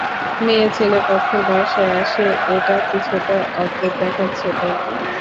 মেয়ে ছেলে পক্ষের বাসায় আসে এটা কিছুটা অদ্ভুত দেখাচ্ছে, তাইনা?